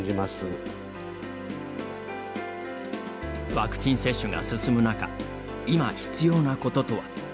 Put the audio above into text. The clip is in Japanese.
ワクチン接種が進む中いま必要なこととは？